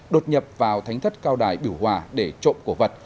đột nhập vào thánh thất cao đài biểu hòa để trộm cổ vật